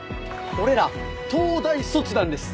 俺ら東大卒なんです。